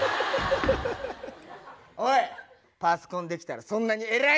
おいパソコンできたらそんなに偉いのかよ！